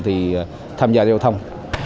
thì tham gia giao thông